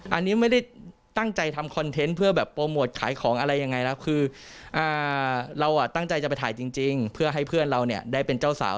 อันนี้ไม่ได้ตั้งใจทำคอนเทนต์เพื่อแบบโปรโมทขายของอะไรยังไงแล้วคือเราตั้งใจจะไปถ่ายจริงเพื่อให้เพื่อนเราเนี่ยได้เป็นเจ้าสาว